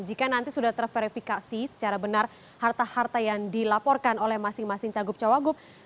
jika nanti sudah terverifikasi secara benar harta harta yang dilaporkan oleh masing masing cagup cawagup